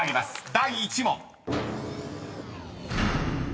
第１問］